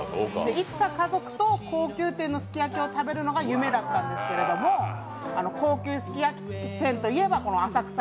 いつか家族と高級店のすき焼を食べるのが夢だったんですけど高級すき焼店といえば浅草